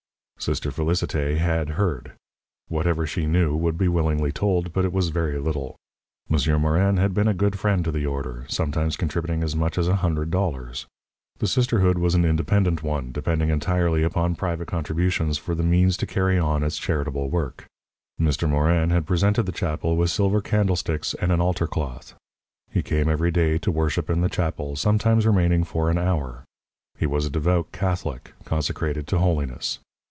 Sister Félicité had heard. Whatever she knew would be willingly told, but it was very little. Monsieur Morin had been a good friend to the order, sometimes contributing as much as a hundred dollars. The sisterhood was an independent one, depending entirely upon private contributions for the means to carry on its charitable work. Mr. Morin had presented the chapel with silver candlesticks and an altar cloth. He came every day to worship in the chapel, sometimes remaining for an hour. He was a devout Catholic, consecrated to holiness.